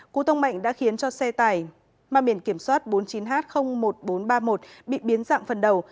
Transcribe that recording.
cú tông mạnh đã khiến cho xe tải mang biển kiểm soát bốn mươi chín h một nghìn bốn trăm ba mươi một bị biến dạng phần đầu